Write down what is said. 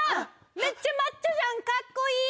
めっちゃマッチョじゃんかっこいい！